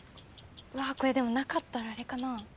これでもなかったらあれかな。